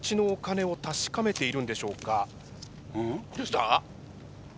どうした？